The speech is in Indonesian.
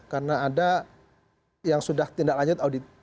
karena ada yang sudah tindak lanjut audit